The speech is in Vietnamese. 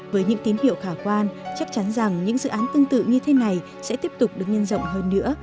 với những tín hiệu khả quan chắc chắn rằng những dự án tương tự như thế này sẽ tiếp tục được nhân rộng hơn nữa